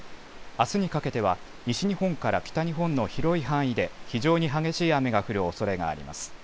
あすにかけては西日本から北日本の広い範囲で非常に激しい雨が降るおそれがあります。